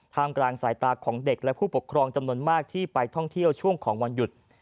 กลางสายตาของเด็กและผู้ปกครองจำนวนมากที่ไปท่องเที่ยวช่วงของวันหยุด